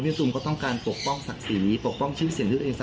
อยากร้องคุกต้อง